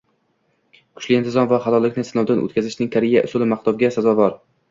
Kuchli intizom va halollikni sinovdan o'tkazishning Koreya usuli maqtovga sazovor